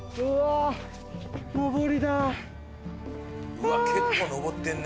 うわっ結構上ってるね。